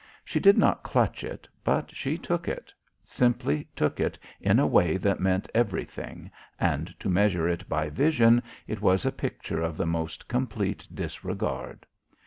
She did not clutch it, but she took it simply took it in a way that meant everything, and, to measure it by vision, it was a picture of the most complete disregard.